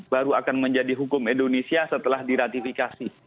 baru akan menjadi hukum indonesia setelah diratifikasi